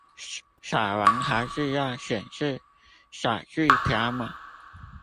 掃完還是要顯示載具條碼